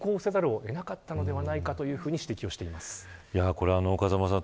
これ風間さん